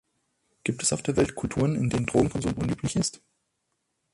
Gibt es auf der Welt Kulturen, in denen Drogenkonsum unüblich ist?